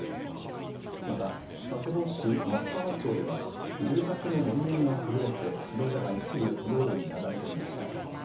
また佐世保市松川町では住宅ののり面が崩れて土砂が一部道路に流れ込みました。